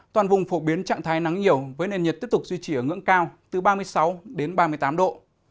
toàn vùng phổ biến trạng thái nắng nhiều với nền nhiệt tiếp tục duy trì ở ngưỡng cao từ ba mươi sáu đến ba mươi tám độ